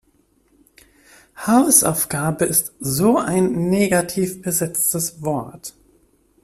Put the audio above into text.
Hausaufgabe ist so ein negativ besetztes Wort.